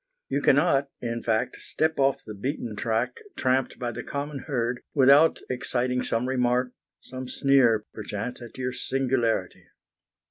You cannot, in fact, step off the beaten track tramped by the common herd without exciting some remark, some sneer, perchance, at your singularity.